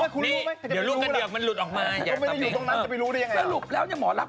คุณรู้ไหมวะมองรัก